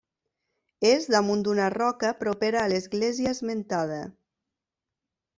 És damunt d'una roca propera a l'església esmentada.